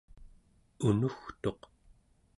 unugtuq